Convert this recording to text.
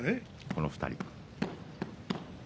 この２人。